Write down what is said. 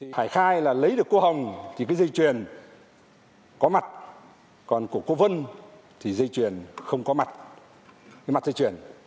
hải khai là lấy được cô hồng thì cái dây chuyền có mặt còn của cô vân thì dây chuyền không có mặt cái mặt dây chuyền